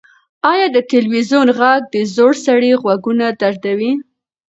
ایا د تلویزیون غږ د زوړ سړي غوږونه دردوي؟